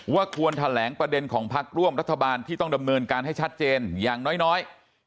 ควรแถลงประเด็นของพักร่วมรัฐบาลที่ต้องดำเนินการให้ชัดเจนอย่างน้อย